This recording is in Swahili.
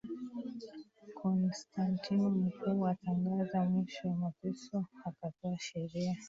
Konstantino Mkuu akatangaza mwisho wa mateso Akatoa sheria